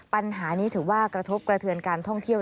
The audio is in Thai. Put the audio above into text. ปัญหานี้ถือว่ากระทบกระเทือนการท่องเที่ยว